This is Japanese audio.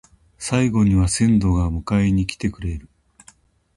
最期には先祖が迎えに来てくれる